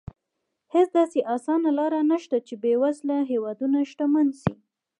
هېڅ داسې اسانه لار نه شته چې بېوزله هېوادونه شتمن شي.